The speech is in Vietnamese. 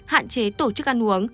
hạn chế tổ chức ăn uống